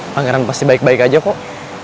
pangeran pasti baik baik aja kok